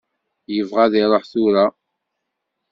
Yebɣa ad iruḥ tura.